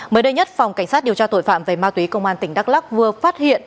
mới đây nhất phòng cảnh sát điều tra tội phạm về ma túy công an tỉnh đắk lắc vừa phát hiện